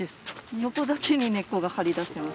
横だけに根っこが張り出してます。